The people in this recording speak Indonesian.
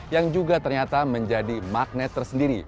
yang juga ternyata menjadi magnet tersendiri